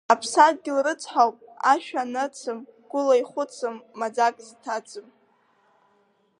Аԥсадгьыл рыцҳауп ашәа анацым, гәыла ихәыцым, маӡак зҭаӡым.